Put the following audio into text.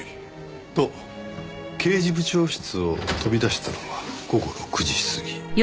と刑事部長室を飛び出したのが午後６時過ぎ。